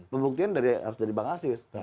pembuktikan harus dari bang aziz